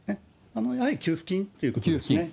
やはり給付金ということですね。